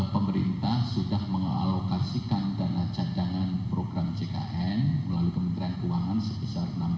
pemerintah sudah mengalokasikan dana cadangan program ckn melalui kementerian keuangan sebesar rp enam delapan triliun